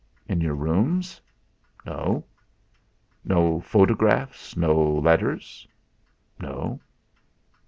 "In your rooms?" "No." "No photographs. No letters?" "No."